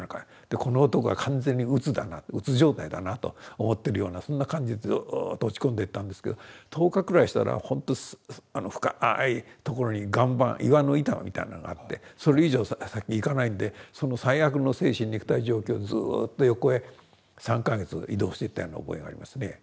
この男は完全にうつだなうつ状態だなと思ってるようなそんな感じでずっと落ち込んでったんですけど１０日くらいしたらほんと深いところに岩盤岩の板みたいなのがあってそれ以上先へ行かないんでその最悪の精神肉体状況をずっと横へ３か月移動していったような覚えがありますね。